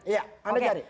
iya anda cari